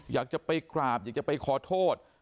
อยากจะไปกราบอยากจะไปขอโทษ